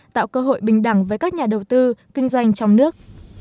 tạo cơ hội bình đẳng với các nhà đầu tư kinh doanh trong nước